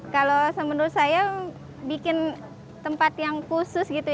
kalau menurut saya bikin tempat yang khusus gitu